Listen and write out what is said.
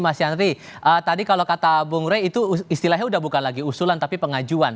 mas yandri tadi kalau kata bung rey itu istilahnya udah bukan lagi usulan tapi pengajuan